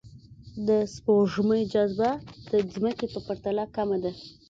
د سپوږمۍ جاذبه د ځمکې په پرتله کمه ده